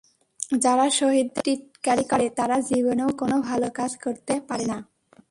যারা শহীদদের টিটকারি করে, তারা জীবনেও কোনো ভালো কাজ করতে পারে না।